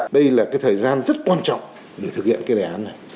đây là cái thời gian rất quan trọng để thực hiện cái đề án này